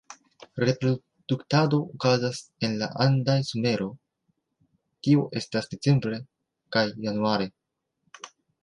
Reproduktado okazas en la andaj somero, tio estas decembre kaj januare.